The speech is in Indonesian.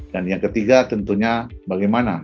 dan yang ketiga tentunya bagaimana